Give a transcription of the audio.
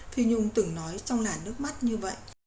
phi nhung từng nói trong lản nước mắt như vậy